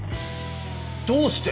どうして！？